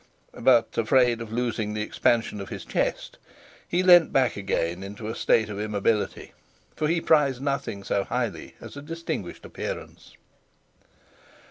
But, afraid of losing the expansion of his chest, he leaned back again into a state of immobility, for he prized nothing so highly as a distinguished appearance.